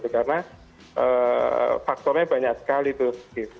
karena faktornya banyak sekali tuh